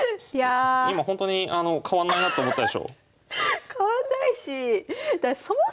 今ほんとに変わんないなと思ったでしょ？